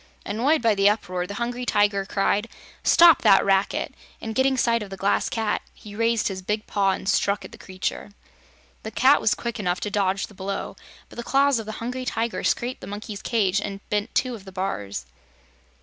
Annoyed by the uproar, the Hungry Tiger cried: "Stop that racket!" and getting sight of the Glass Cat, he raised his big paw and struck at the creature. The cat was quick enough to dodge the blow, but the claws of the Hungry Tiger scraped the monkey's cage and bent two of the bars.